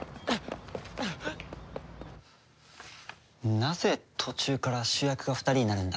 なぜ途中から主役が２人になるんだ？